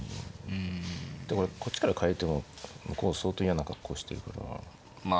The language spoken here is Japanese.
こっちからかえる手も向こう相当嫌な格好してるからなあ。